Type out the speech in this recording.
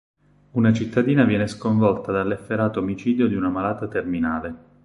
Una cittadina viene sconvolta dall'efferato omicidio di una malata terminale.